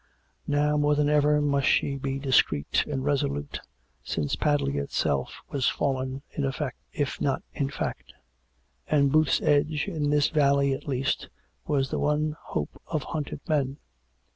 Now more than ever must she be discreet and resolute, since Padley its elf was fallen, in effect, if not in fact; and Booth's Edge, in this valley at least, was the one hope of hunted men.